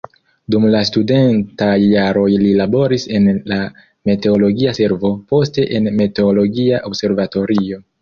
Dum la studentaj jaroj li laboris en la meteologia servo, poste en meteologia observatorio.